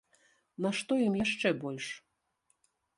Нашто ім яшчэ больш?